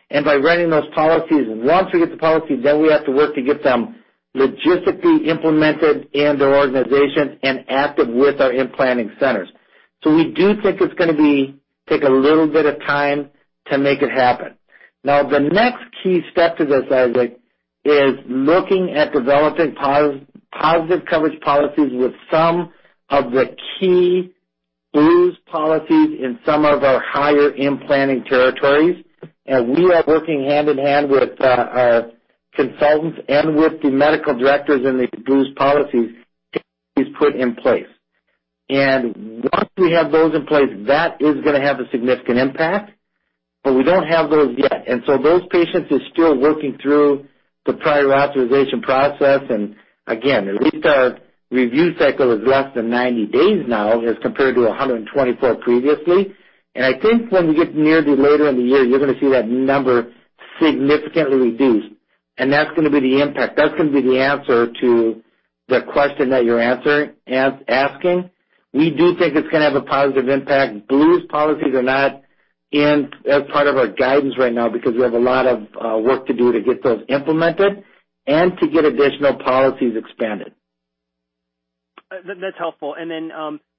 By writing those policies, once we get the policies, then we have to work to get them logistically implemented in their organization and active with our implanting centers. We do think it's going to take a little bit of time to make it happen. Now, the next key step to this, Isaac, is looking at developing positive coverage policies with some of the key Blue's policies in some of our higher implanting territories. We are working hand-in-hand with our consultants and with the medical directors in the Blue's policies to get these put in place. Once we have those in place, that is going to have a significant impact, but we don't have those yet. Those patients are still working through the prior authorization process. Again, at least our review cycle is less than 90 days now as compared to 124 previously. I think when we get nearer later in the year, you're going to see that number significantly reduced. That's going to be the impact. That's going to be the answer to the question that you're asking. We do think it's going to have a positive impact. Blues' policies are not in as part of our guidance right now because we have a lot of work to do to get those implemented and to get additional policies expanded. That's helpful.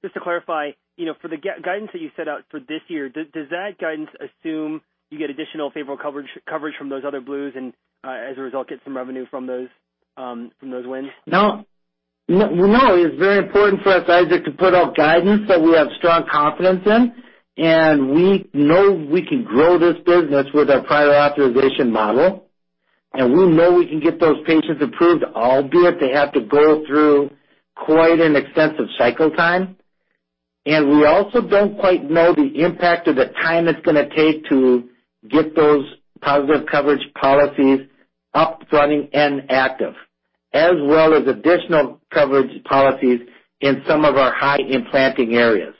Just to clarify, for the guidance that you set out for this year, does that guidance assume you get additional favorable coverage from those other Blues and, as a result, get some revenue from those wins? No. It's very important for us, Isaac, to put out guidance that we have strong confidence in, and we know we can grow this business with our prior authorization model. We know we can get those patients approved, albeit they have to go through quite an extensive cycle time. We also don't quite know the impact of the time it's going to take to get those positive coverage policies up, running, and active, as well as additional coverage policies in some of our high implanting areas.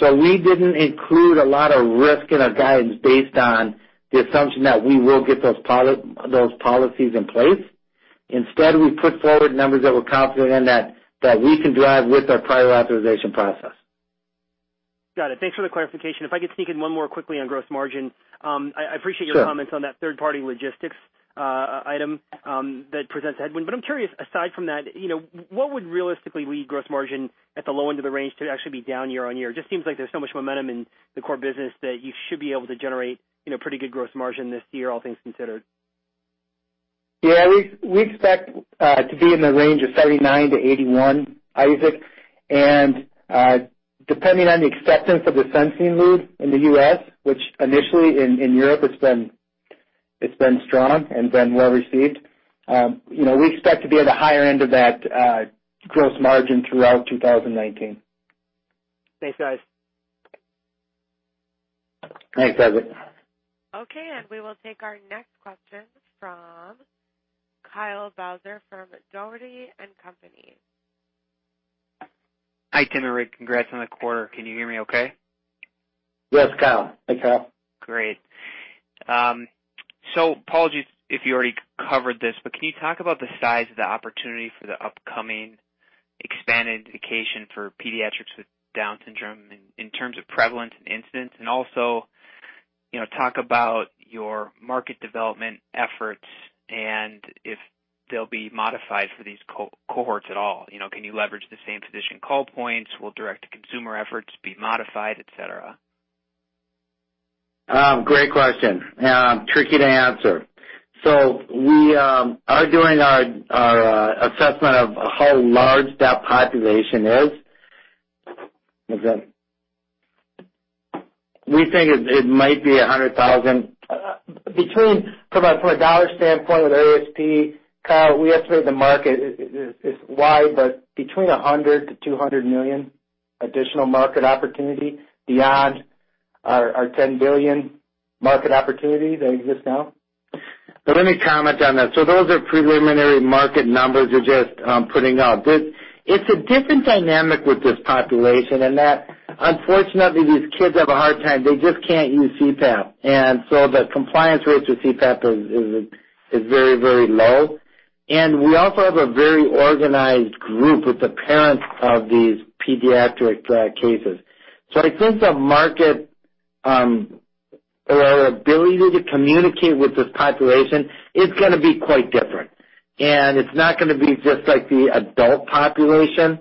We didn't include a lot of risk in our guidance based on the assumption that we will get those policies in place. Instead, we put forward numbers that we're confident in that we can drive with our prior authorization process. Got it. Thanks for the clarification. If I could sneak in one more quickly on gross margin. I appreciate your comments on that third-party logistics item that presents a headwind. I'm curious, aside from that, what would realistically be gross margin at the low end of the range to actually be down year-on-year? Just seems like there's so much momentum in the core business that you should be able to generate pretty good gross margin this year, all things considered. Yeah, we expect to be in the range of 79%-81%, Isaac. Depending on the acceptance of the sensing lead in the U.S., which initially in Europe it's been strong and been well-received, we expect to be at the higher end of that gross margin throughout 2019. Thanks, guys. Thanks, Isaac. Okay, we will take our next question from Kyle Bauser from Dougherty & Company. Hi, Tim and Rick. Congrats on the quarter. Can you hear me okay? Yes, Kyle Hey, Kyle. Great. Apologies if you already covered this, can you talk about the size of the opportunity for the upcoming expanded indication for pediatrics with Down syndrome in terms of prevalence and incidence, also talk about your market development efforts and if they'll be modified for these cohorts at all? Can you leverage the same physician call points? Will direct consumer efforts be modified, et cetera? Great question. Tricky to answer. We are doing our assessment of how large that population is. One second. We think it might be 100,000. Between, from a dollar standpoint with ASP, Kyle, we estimate the market is wide, between $100 million-$200 million additional market opportunity beyond our $10 billion market opportunity that exists now. Let me comment on that. Those are preliminary market numbers we're just putting out. It's a different dynamic with this population in that, unfortunately, these kids have a hard time. They just can't use CPAP. The compliance rates with CPAP is very low. We also have a very organized group with the parents of these pediatric cases. I think the market or our ability to communicate with this population, it's going to be quite different, and it's not going to be just like the adult population.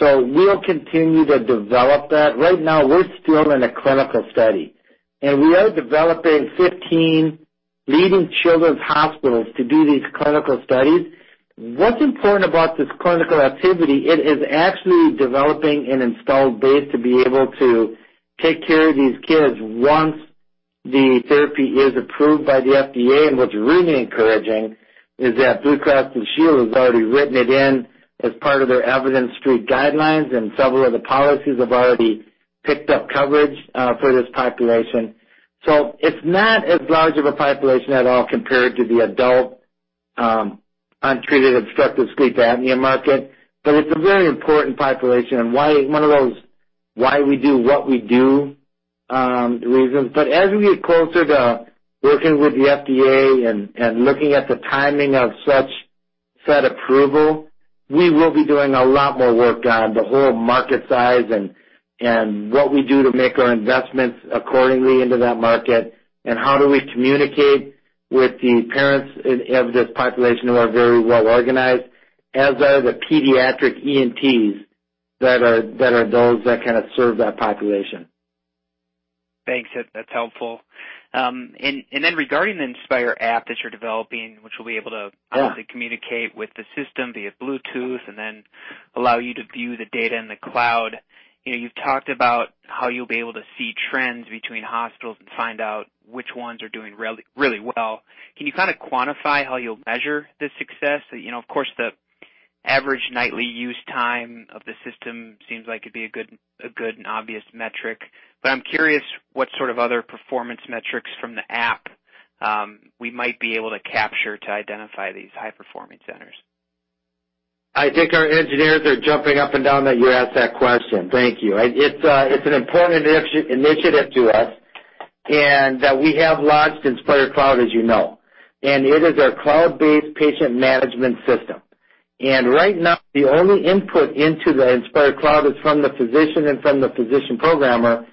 We'll continue to develop that. Right now, we're still in a clinical study, and we are developing 15 leading children's hospitals to do these clinical studies. What's important about this clinical activity, it is actually developing an installed base to be able to take care of these kids once the therapy is approved by the FDA. What's really encouraging is that Blue Cross Blue Shield has already written it in as part of their Evidence Street guidelines, and several of the policies have already picked up coverage for this population. It's not as large of a population at all compared to the adult untreated obstructive sleep apnea market. It's a very important population and one of those "why we do what we do" reasons. As we get closer to working with the FDA and looking at the timing of such said approval, we will be doing a lot more work on the whole market size and what we do to make our investments accordingly into that market, and how do we communicate with the parents of this population who are very well organized, as are the pediatric ENTs that are those that kind of serve that population. Thanks. That's helpful. Then regarding the Inspire app that you're developing, which will be able to obviously communicate with the system via Bluetooth and then allow you to view the data in the cloud. You've talked about how you'll be able to see trends between hospitals and find out which ones are doing really well. Can you kind of quantify how you'll measure the success? Of course, the average nightly use time of the system seems like it'd be a good and obvious metric. I'm curious what sort of other performance metrics from the app we might be able to capture to identify these high-performing centers. I think our engineers are jumping up and down that you asked that question. Thank you. It's an important initiative to us. We have launched Inspire Cloud, as you know, and it is our cloud-based patient management system. Right now, the only input into the Inspire Cloud is from the physician and from the physician programmer.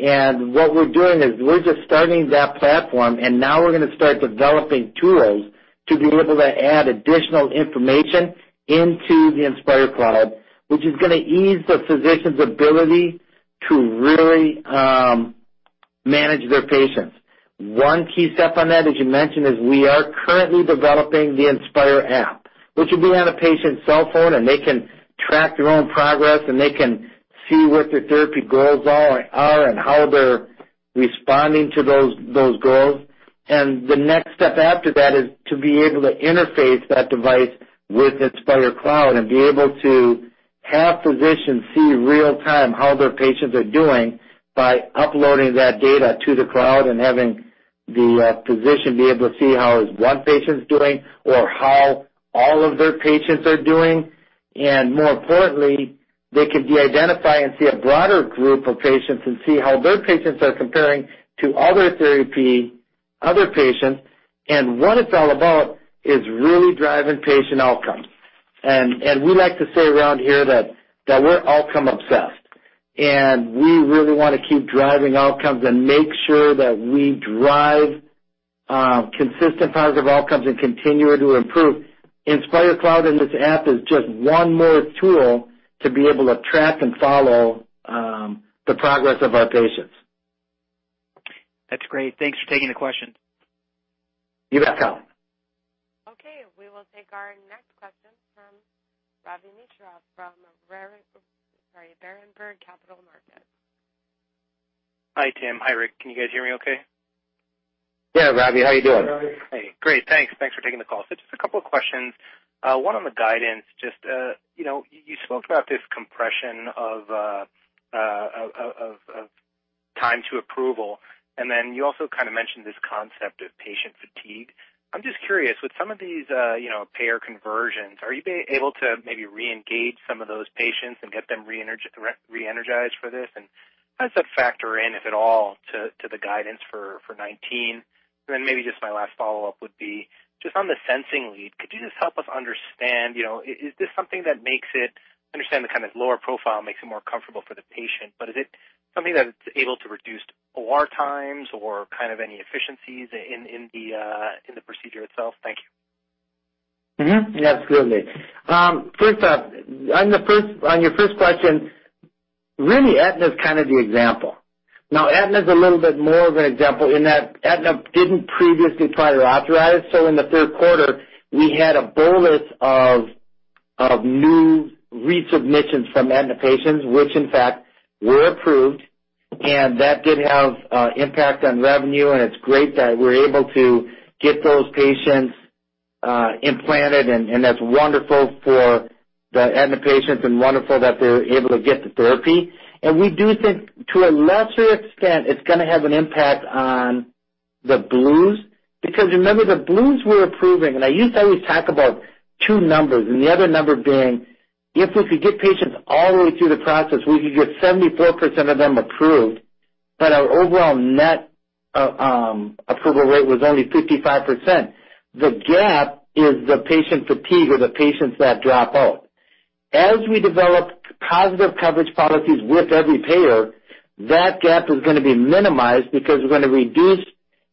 What we're doing is we're just starting that platform. Now we're going to start developing tools to be able to add additional information into the Inspire Cloud, which is going to ease the physician's ability to really manage their patients. One key step on that, as you mentioned, is we are currently developing the Inspire app, which will be on a patient's cell phone. They can track their own progress, and they can see what their therapy goals are and how they're responding to those goals. The next step after that is to be able to interface that device with Inspire Cloud and be able to have physicians see real time how their patients are doing by uploading that data to the cloud and having the physician be able to see how one patient's doing or how all of their patients are doing. More importantly, they can de-identify and see a broader group of patients and see how their patients are comparing to other therapy, other patients. What it's all about is really driving patient outcomes. We like to say around here that we're outcome obsessed. We really want to keep driving outcomes and make sure that we drive consistent positive outcomes and continue to improve. Inspire Cloud and this app is just one more tool to be able to track and follow the progress of our patients. That's great. Thanks for taking the question. You bet, Kyle. Okay. We will take our next question from Ravi Misra from Berenberg Capital Markets. Hi, Tim. Hi, Rick. Can you guys hear me okay? Yeah, Ravi. How you doing? Just a couple of questions. One on the guidance, just you spoke about this compression of time to approval, and then you also kind of mentioned this concept of patient fatigue. I'm just curious, with some of these payer conversions, are you able to maybe reengage some of those patients and get them re-energized for this? How does that factor in, if at all, to the guidance for 2019? Maybe just my last follow-up would be, just on the sensing lead, could you just help us understand, is this something that I understand the kind of lower profile makes it more comfortable for the patient, but is it something that's able to reduce OR times or kind of any efficiencies in the procedure itself? Thank you. Mm-hmm. Yeah, absolutely. First up, on your first question, really, Aetna is kind of the example. Aetna is a little bit more of an example in that Aetna did not previously prior authorize. In the third quarter, we had a bolus of new resubmissions from Aetna patients, which in fact were approved, and that did have impact on revenue, and it is great that we are able to get those patients implanted, and that is wonderful for the Aetna patients and wonderful that they are able to get the therapy. We do think to a lesser extent, it is going to have an impact on the Blues because remember, the Blues were approving, and I used to always talk about two numbers, and the other number being if we could get patients all the way through the process, we could get 74% of them approved. Our overall net approval rate was only 55%. The gap is the patient fatigue or the patients that drop out. As we develop positive coverage policies with every payer, that gap is going to be minimized because we are going to reduce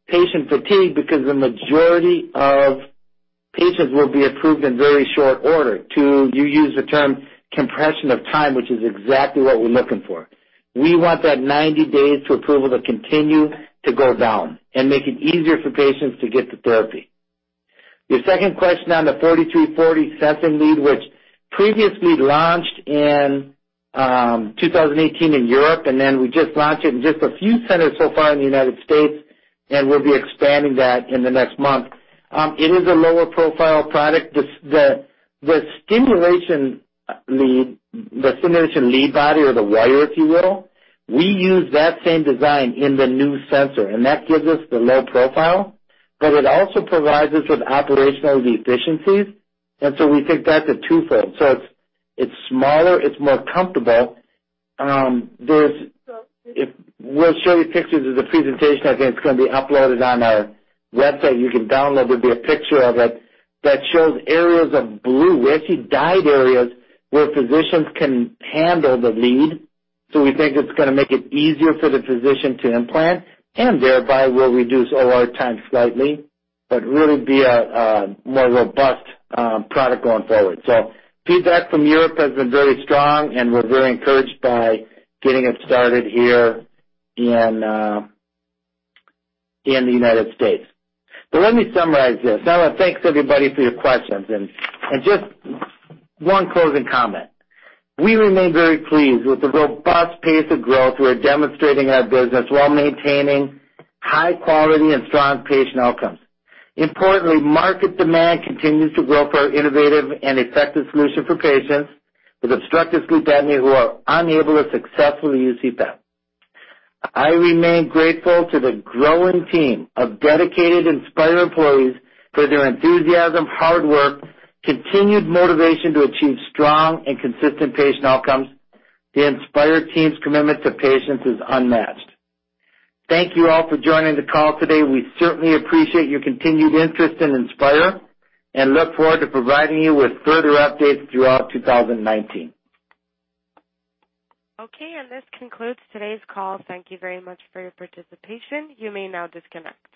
patient fatigue because the majority of patients will be approved in very short order to, you use the term compression of time, which is exactly what we are looking for. We want that 90 days to approval to continue to go down and make it easier for patients to get the therapy. Your second question on the 4340 sensing lead, which previously launched in 2018 in Europe, and then we just launched it in just a few centers so far in the United States, and we will be expanding that in the next month. It is a lower profile product. The stimulation lead body or the wire, if you will, we use that same design in the new sensing lead, and that gives us the low profile, but it also provides us with operational efficiencies. We think that is a twofold. It is smaller, it is more comfortable. We will show you pictures of the presentation. I think it is going to be uploaded on our website. You can download, there will be a picture of it that shows areas of blue, where if you dyed areas where physicians can handle the lead. We think it is going to make it easier for the physician to implant and thereby will reduce OR time slightly, but really be a more robust product going forward. Feedback from Europe has been very strong and we are very encouraged by getting it started here in the United States. Let me summarize this. I want to thank everybody for your questions. Just one closing comment. We remain very pleased with the robust pace of growth we are demonstrating in our business while maintaining high quality and strong patient outcomes. Importantly, market demand continues to grow for our innovative and effective solution for patients with obstructive sleep apnea who are unable to successfully use CPAP. I remain grateful to the growing team of dedicated Inspire employees for their enthusiasm, hard work, continued motivation to achieve strong and consistent patient outcomes. The Inspire team's commitment to patients is unmatched. Thank you all for joining the call today. We certainly appreciate your continued interest in Inspire and look forward to providing you with further updates throughout 2019. Okay, this concludes today's call. Thank you very much for your participation. You may now disconnect.